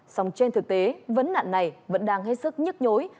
song trên thực tế vấn nạn này vẫn đang hết sức nhức nhối